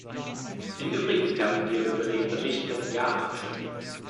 Im übrigen werden wir über den Bericht mit ja abstimmen.